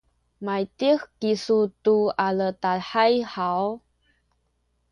maydih kisu tu aledahay haw?